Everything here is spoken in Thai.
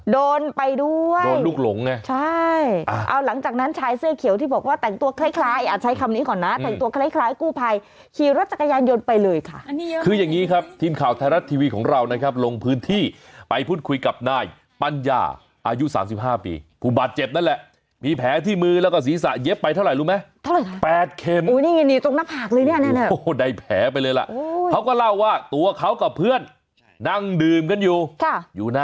โดนไปด้วยใช่เอาหลังจากนั้นชายเสื้อเขียวที่บอกว่าแต่งตัวคล้าย